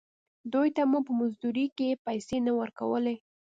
دوې ته مو په مزدورۍ کښې پيسې نه ورکولې.